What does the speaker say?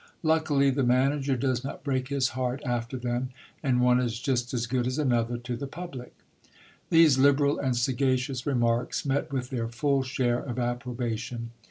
Luckily the manager does not break his heart after them, and one is just as good as another to the public. These liberal and sagacious remarks met with their full share of approbation.